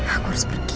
aku harus pergi